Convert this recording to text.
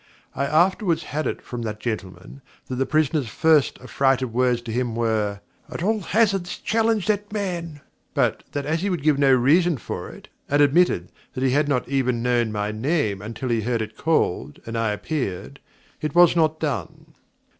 I afterwards had it from that gentleman, that the prisoner's first affrighted words to him were, 'At all hazards challenge that man!' But, that as he would give no reason for it, and admitted that he had not even known my name until he heard it called and I appeared, it was not done.